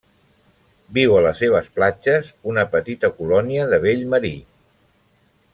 Viu a les seves platges una petita colònia de Vell marí.